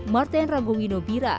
martin rangungi nobira